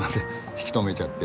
引き止めちゃって。